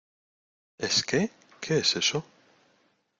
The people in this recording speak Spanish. ¿ Es qué? ¿ qué es eso ?